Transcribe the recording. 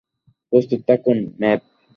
প্রস্তুত থাকুন, ম্যাভ।